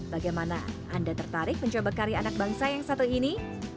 bagaimana anda tertarik mencoba karya anak bangsa yang satu ini